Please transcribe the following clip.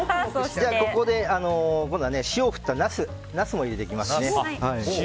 ここで塩を振ったナスも入れていきます。